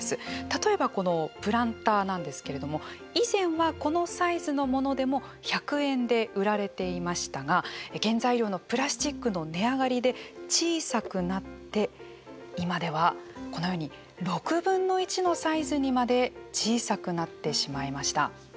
例えば、このプランターなんですけれども以前はこのサイズのものでも１００円で売られていましたが原材料のプラスチックの値上がりで小さくなって今では、このように６分の１のサイズにまで小さくなってしまいました。